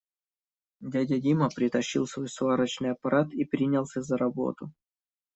Дядя Дима притащил свой сварочный аппарат и принялся за работу.